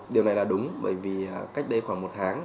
điều này là đúng bởi vì cách đây khoảng một tháng